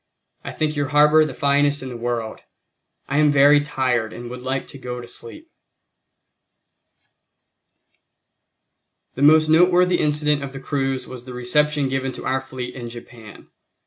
I think your harbor the finest in the world. I am very tired and would like to go to sleep." The most noteworthy incident of the cruise was the reception given to our fleet in Japan.